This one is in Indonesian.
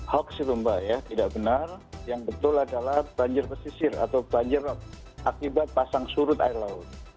hoax itu mbak ya tidak benar yang betul adalah banjir pesisir atau banjir akibat pasang surut air laut